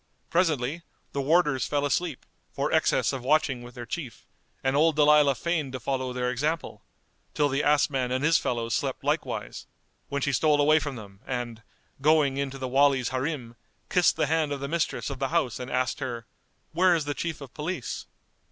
Presently, the warders fell asleep, for excess of watching with their chief, and old Dalilah feigned to follow their example, till the ass man and his fellows slept likewise, when she stole away from them and, going in to the Wali's Harim, kissed the hand of the mistress of the house and asked her "Where is the Chief of Police?"